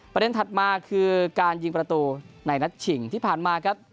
ถัดมาคือการยิงประตูในนัดชิงที่ผ่านมาครับ